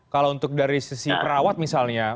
kalau untuk dari sisi perawat misalnya